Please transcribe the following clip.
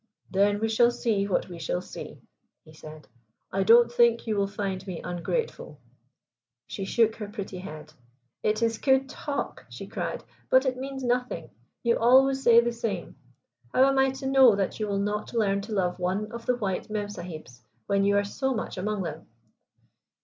"Then we shall see what we shall see," he said, "I don't think you will find me ungrateful." She shook her pretty head. "It is good talk," she cried, "but it means nothing. You always say the same. How am I to know that you will not learn to love one of the white memsahibs when you are so much among them?"